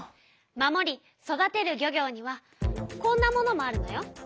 「守り育てる漁業」にはこんなものもあるのよ。